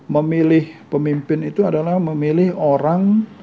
memilih pemimpin itu adalah memilih orang